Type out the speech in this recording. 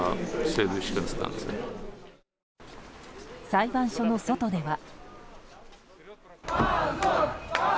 裁判所の外では。